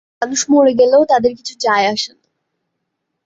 মানুষ মরে গেলেও তাদের কিছুই যায়-আসেনা।